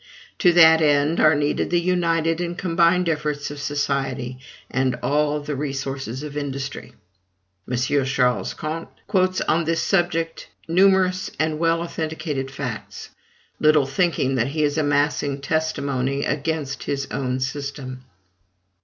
To that end are needed the united and combined efforts of society, and all the resources of industry. M. Ch. Comte quotes on this subject numerous and well authenticated facts, little thinking that he is amassing testimony against his own system.